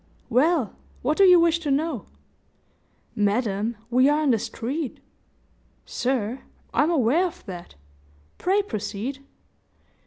"Well, what do you wish to know?" "Madam, we are in the street." "Sir, I'm aware of that. Pray proceed."